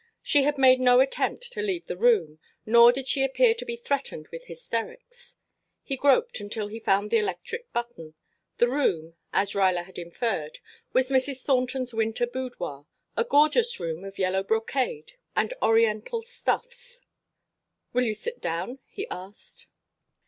She had made no attempt to leave the room, nor did she appear to be threatened with hysterics. He groped until he found the electric button. The room, as Ruyler had inferred, was Mrs. Thornton's winter boudoir, a gorgeous room of yellow brocade and oriental stuffs. "Will you sit down?" he asked.